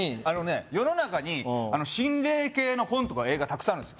世の中に心霊系の本とか映画たくさんあるんですよ